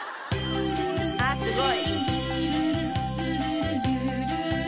「ああすごい！」